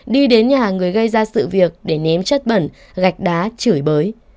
đi đến nhà người gây ra sự việc để ném chất bẩn gạch đá chửi bới